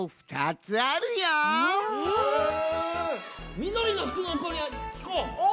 みどりのふくのこにきこう！